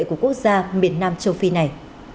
của quốc gia miền nam châu phi này